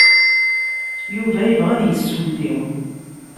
Yuba yebɣa ad yessulli.